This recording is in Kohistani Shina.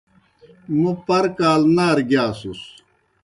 موْ پر کال نارہ گِیاسُس۔